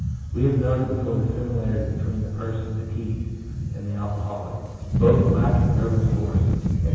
We have noted before the similarity between the person fatigued and the alcoholic; both lack in nervous force, and hence the 1 W.